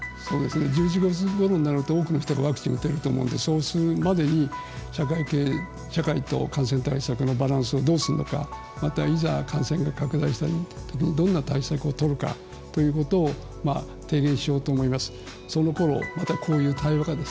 １１月ごろになると多くの人がワクチンを打っていると思うのでそうなる前に社会と感染対策のバランスをどうするのかまた、いざ感染拡大がしたときどんな対策をとるかということを提言しようと思います。